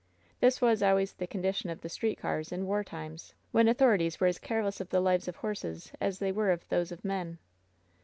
This was always the condition of the street cars in war times, when authorities were as careless of the lives of horses as they were of those of men.